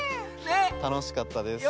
たのしかったです。